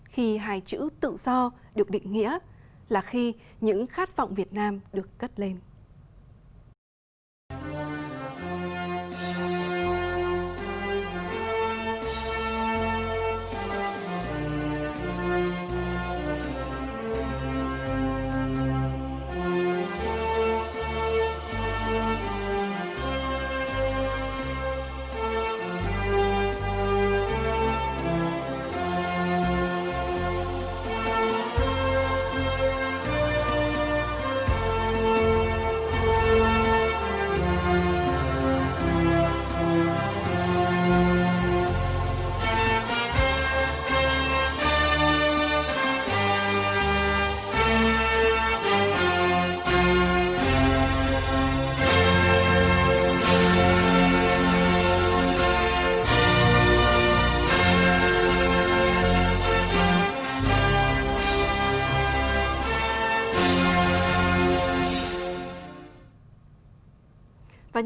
khi hai chữ tự do được định nghĩa là khi những khát vọng việt nam được cất lên